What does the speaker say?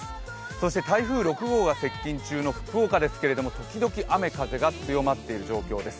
そして台風６号が接近中の福岡ですけれどもときどき雨風が強まっている状況です。